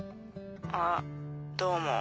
あどうも。